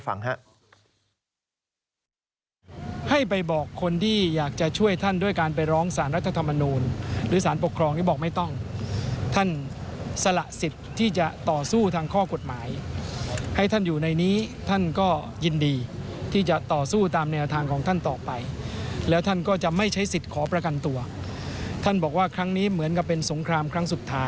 ฟังนายสาธิตเล่าให้ฟังฮะ